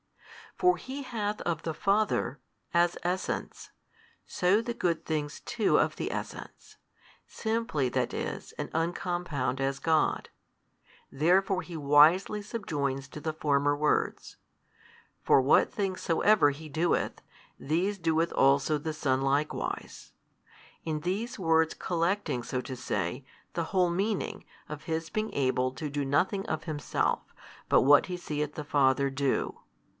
For He hath of the Father, as Essence, so the good things too of the Essence, simply that is and uncompound as God, therefore He wisely subjoins to the former words, For what things soever He doeth, these doeth also the Son likewise: in these words collecting, so to say, the whole meaning of His being able to do nothing of Himself, but what He seeth the Father do.